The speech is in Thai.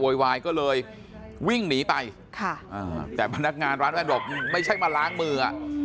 วายก็เลยวิ่งหนีไปค่ะอ่าแต่พนักงานร้านแว่นบอกไม่ใช่มาล้างมืออ่ะ